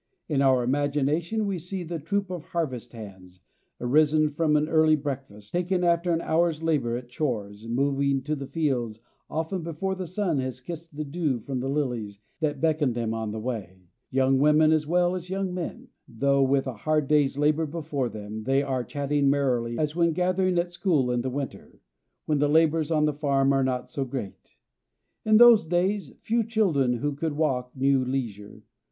In our imagination we see the troop of harvest hands, arisen from an early breakfast, taken after an hour's labor at chores, moving to the fields often before the sun has kissed the dew from the lilies that beckon them on the way, young women as well as young men; though with a hard day's labor before them, they are chatting as merrily as when gathering at school in the winter, when the labors on the farm are not so great. In those days few children who could walk knew leisure.